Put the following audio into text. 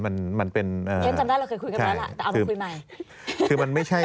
อย่างนั้นเราเคยคุยกันแล้วล่ะเอามาคุยใหม่